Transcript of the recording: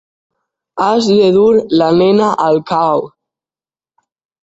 Has de dur la nena al cau.